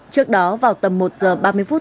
trước đó vào tầm một giờ ba mươi phút